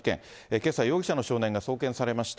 けさ、容疑者の少年が送検されました。